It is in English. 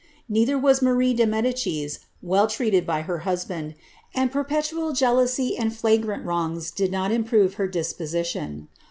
Neither was Marie de Medicis well treated by her husband, ai\d pei 6 HBNBIBTTA MABIA. petual jealousy and flagrant wrongrg did not improve her disposition.